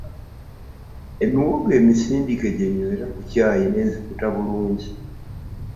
Emiwogo emisiike gye nywera ku caayi ne nzikuta bulungi.